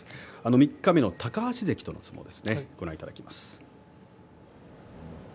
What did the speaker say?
三日目の高橋関との相撲です。